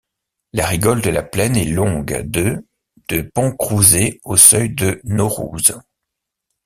La rigole de la plaine est longue de de Pont-Crouzet au seuil de Naurouze.